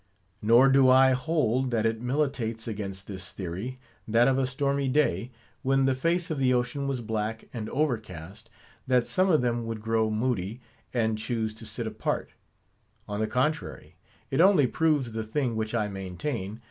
Nor do I hold, that it militates against this theory, that of a stormy day, when the face of the ocean was black, and overcast, that some of them would grow moody, and chose to sit apart. On the contrary, it only proves the thing which I maintain.